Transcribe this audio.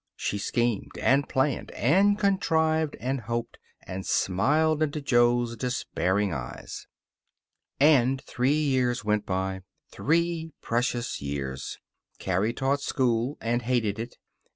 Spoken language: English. She schemed, and planned, and contrived, and hoped; and smiled into Jo's despairing eyes. And three years went by. Three precious years. Carrie still taught school, and hated it.